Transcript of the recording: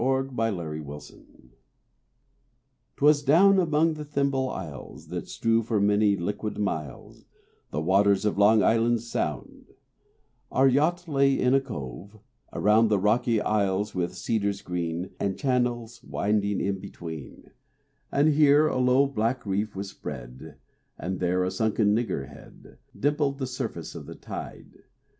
THE MERMAID'S GLASS 'T was down among the Thimble Isles That strew for many "liquid miles" The waters of Long Island Sound: Our yacht lay in a cove; around The rocky isles with cedars green And channels winding in between: And here a low, black reef was spread, And there a sunken "nigger head" Dimpled the surface of the tide.